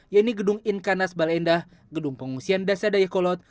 yaitu gedung inkanas balendah gedung pengungsian desa dayakolot